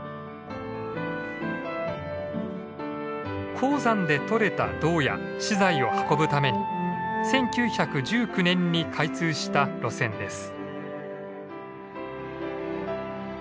鉱山で採れた銅や資材を運ぶために１９１９年に開通した路線です。